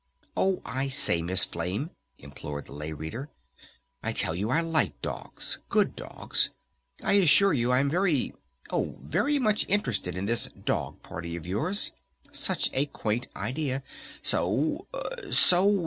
"Oh, I say, Miss Flame," implored the Lay Reader, "I tell you I like dogs, good dogs! I assure you I'm very oh, very much interested in this dog party of yours! Such a quaint idea! So so